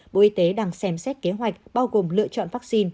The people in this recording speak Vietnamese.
bộ y tế đang xem xét kế hoạch bao gồm lựa chọn vaccine